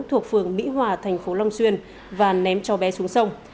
thuộc phường mỹ hòa thành phố long xuyên và ném cháu bé xuống sông